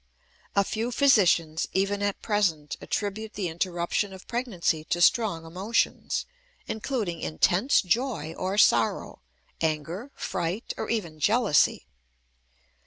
A few physicians, even at present, attribute the interruption of pregnancy to strong emotions, including intense joy or sorrow, anger, fright, or even jealousy.